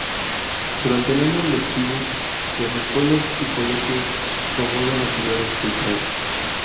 Durante el año lectivo, las escuelas y colegios promueven actividades culturales.